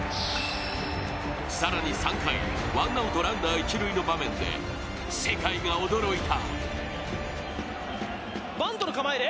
更に３回、ワンアウトランナー一塁の場面で世界が驚いた。